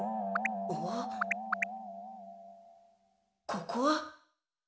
ここは？